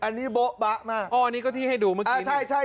อันนี้โบ๊ะบะมากอ๋อนี่ก็ที่ให้ดูเมื่อกี้